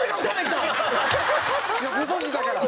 いやご存じだから。